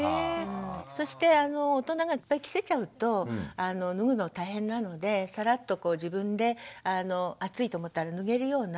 そして大人がいっぱい着せちゃうと脱ぐのが大変なのでサラッと自分で暑いと思ったら脱げるような。